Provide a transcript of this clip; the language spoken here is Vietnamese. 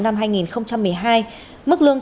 năm hai nghìn một mươi hai mức lương